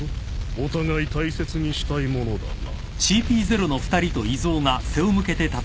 お互い大切にしたいものだな。